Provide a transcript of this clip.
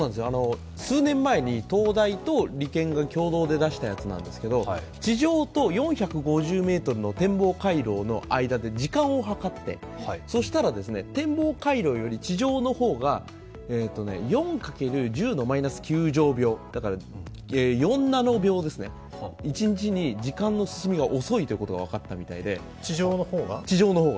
数年前に東大と理研が共同で出したものなんですが地上と４５０ｍの天望回廊の間で時間を計って、そしたら天望回廊より地上の方が４×１０マイナス９乗秒だから４ナノ秒ですね、一日に時間の進みが遅いということがわかったようで、地上の方が。